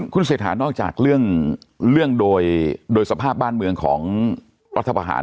คุณเศรษฐานอกจากเรื่องโดยสภาพบ้านเมืองของรัฐประหาร